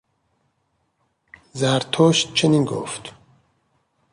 زرتشت چنین گفت